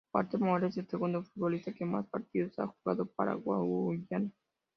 Walter Moore es el segundo futbolista que más partidos ha jugado para Guyana.